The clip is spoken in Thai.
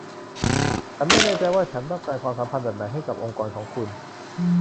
ฉันไม่แน่ใจว่าฉันต้องการความสัมพันธ์แบบไหนกับองค์กรของคุณ